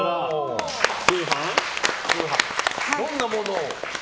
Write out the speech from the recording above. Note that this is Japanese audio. どんなものを？